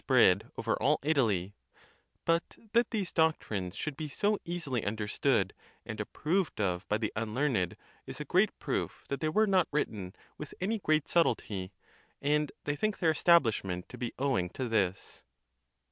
131 spread over all Italy: but that these doctrines should be so easily understood and approved of by the unlearned is a great proof that they were not written with any great subtlety, and they think their establishment to be owing to this.